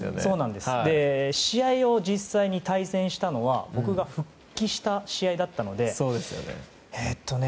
試合を実際に対戦したのは僕が復帰した試合だったのでえっとね。